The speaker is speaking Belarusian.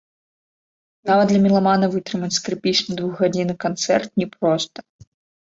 Нават для меламана вытрымаць скрыпічны двухгадзінны канцэрт не проста.